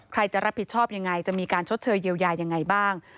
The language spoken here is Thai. ใครจะรับผิดชอบยังไงจะมีการชดเชยเยียวยายังไงบ้าง